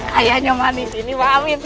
kayaknya manis ini pak amin